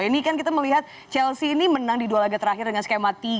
ini kan kita melihat chelsea ini menang di dua laga terakhir dengan skema tiga